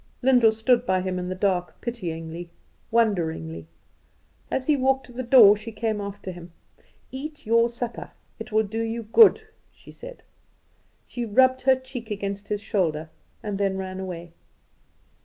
Lyndall stood by him in the dark, pityingly, wonderingly. As he walked to the door, she came after him. "Eat your supper; it will do you good," she said. She rubbed her cheek against his shoulder and then ran away.